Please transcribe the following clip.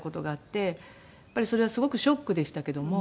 やっぱりそれはすごくショックでしたけども。